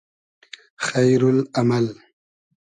خݷرو ل امئل